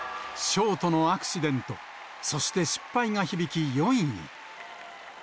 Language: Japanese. ショートのアクシデント、そして失敗が響き４位に。